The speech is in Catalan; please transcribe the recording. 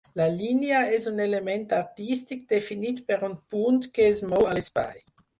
La línia és un element artístic definit per un punt que es mou a l'espai.